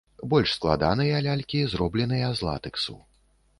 Больш складаныя лялькі зробленыя з латэксу.